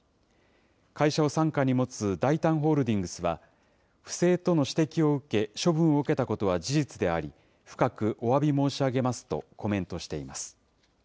会社を傘下に持つダイタンホールディングスは、不正との指摘を受け、処分を受けたことは事実であり、深くおわび申し上げますとコメントしています。